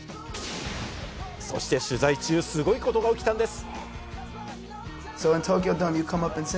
そして取材中、すごいことが起きたんです。